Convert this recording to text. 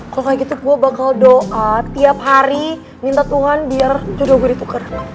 kalo kaya gitu gue bakal doa tiap hari minta tuhan biar jodoh gue dituker